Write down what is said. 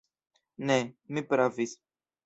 Ne, mi pravis!